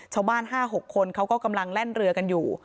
ชาวบ้านห้าหกคนเขาก็กำลังแล่นเรือกันอยู่